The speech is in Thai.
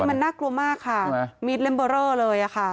มันน่ากลัวมากค่ะมีดเล่มเบอร์เรอเลยค่ะ